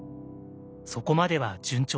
そこまでは順調だった。